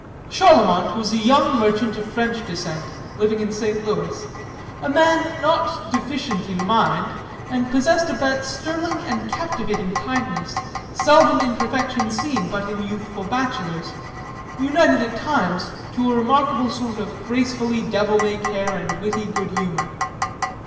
"Charlemont was a young merchant of French descent, living in St. Louis a man not deficient in mind, and possessed of that sterling and captivating kindliness, seldom in perfection seen but in youthful bachelors, united at times to a remarkable sort of gracefully devil may care and witty good humor.